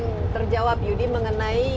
yang terjawab yudi mengenai